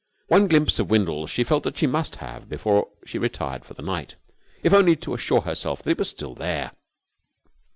One glimpse of Windles she felt that she must have before she retired for the night, if only to assure herself that it was still there.